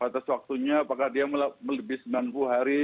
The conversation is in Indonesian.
atas waktunya apakah dia melebih sembilan puluh hari